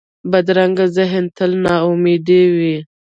بدرنګه ذهن تل ناامیده وي